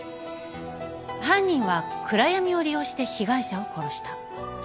犯人は暗闇を利用して被害者を殺した。